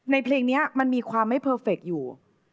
เพลงนี้มันมีความไม่เพอร์เฟคอยู่